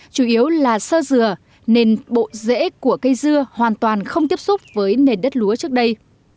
chủ yếu là sơ dừa nên bộ rễ của cây dưa hoàn toàn không tiếp xúc với nền đất lúa trước đây